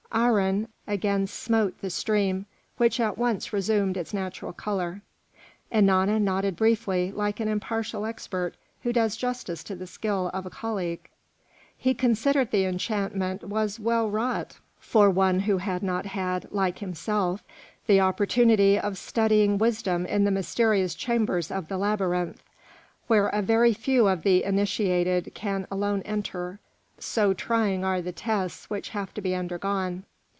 Aharon again smote the stream, which at once resumed its natural colour. Ennana nodded briefly, like an impartial expert who does justice to the skill of a colleague; he considered the enchantment was well wrought for one who had not had, like himself, the opportunity of studying wisdom in the mysterious chambers of the labyrinth, where a very few of the initiated can alone enter, so trying are the tests which have to be undergone.